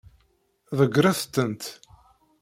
Ḍeggṛet-tent.